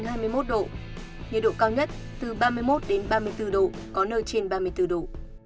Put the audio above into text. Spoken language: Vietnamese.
nhiệt độ cao nhất từ ba mươi một đến ba mươi bốn độ có nơi trên ba mươi bốn độ